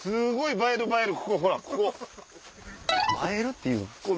「映える」って言うん？